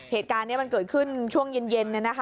เหตุการณ์นี้มันเกิดขึ้นช่วงเย็น